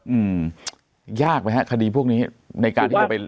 อืมยากไหมฮะคดีพวกนี้ในการที่เราไป